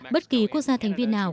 bất kỳ quốc gia thành viên nào